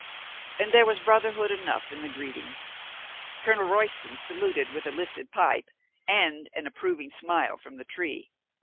And there was brotherhood enough in the greeting. ... Colonel Royston saluted with a lifted pipe and an approving smile from the tree.